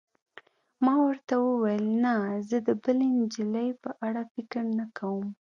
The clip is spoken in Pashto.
ما ورته وویل: نه، زه د بلې نجلۍ په اړه فکر نه کوم.